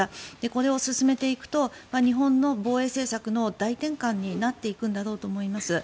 これを進めていくと日本の防衛政策の大転換になっていくんだろうと思います。